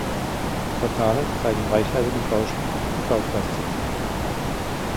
Die Portale zeigen reichhaltigen Bauschmuck und Bauplastiken.